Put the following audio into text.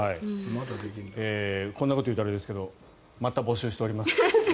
こんなこと言うとあれですがまた募集しております。